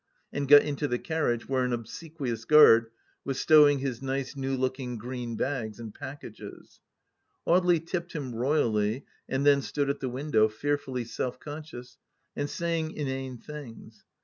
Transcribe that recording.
and got into the carriage, where an obsequious guard was stowing his nice new looking green bags and pack ages. ... Audely tipped him royally, and then stood at the win dow, fearfully self conscious — and saying inane things.